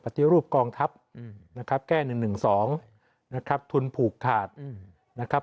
ปฏิรูปกองทัพนะครับแก้๑๑๒นะครับทุนผูกขาดนะครับ